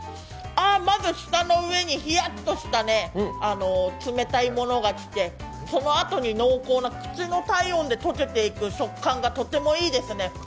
まず舌の上にヒヤッとした冷たいものがきてそのあとに濃厚な口の体温で溶けていく食感がとてもいいですね。